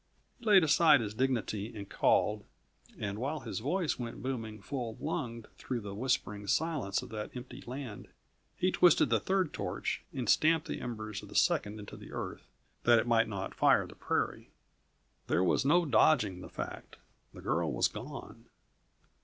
He laid aside his dignity and called, and while his voice went booming full lunged through the whispering silence of that empty land, he twisted the third torch, and stamped the embers of the second into the earth that it might not fire the prairie. There was no dodging the fact; the girl was gone.